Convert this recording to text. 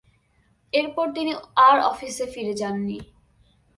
এরপর তিনি আর অফিসে ফিরে যাননি।